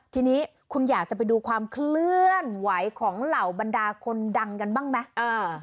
ทีนี้คุณอยากจะไปดูความเคลื่อนไหวของเหล่าบรรดาคนดังกันบ้างไหม